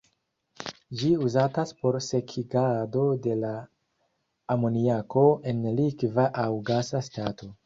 Ĝi uzatas por sekigado de la amoniako en likva aŭ gasa stato.